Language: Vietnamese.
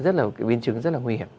đấy là cái biến chứng rất là nguy hiểm